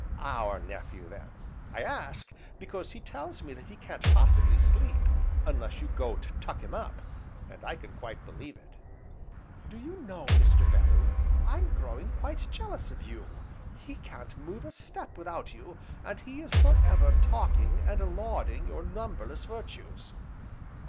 "Our nephew, then; I ask because he tells me that he can't possibly sleep unless you go to 'tuck him up,' and I can quite believe it." "Do you know, Mr. Bellew, I'm growing quite jealous of you, he can't move a step without you, and he is for ever talking, and lauding your numberless virtues!"